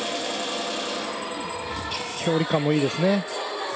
距離感もいいですね。